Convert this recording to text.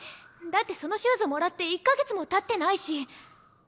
だってそのシューズもらって１か月もたってないし。